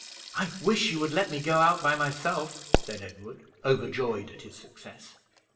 "I wish you would let me go out by myself," said Edward, overjoyed at his success.